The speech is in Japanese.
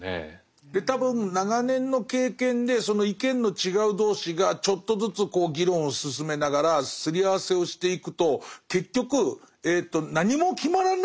で多分長年の経験でその意見の違う同士がちょっとずつ議論を進めながらすり合わせをしていくと結局何も決まらないんだっていう。